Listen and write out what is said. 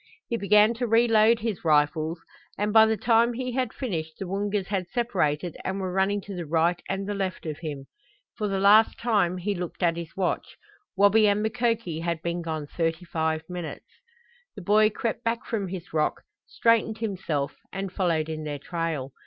He began to reload his rifles and by the time he had finished the Woongas had separated and were running to the right and the left of him. For the last time he looked at his watch. Wabi and Mukoki had been gone thirty five minutes. The boy crept back from his rock, straightened himself, and followed in their trail.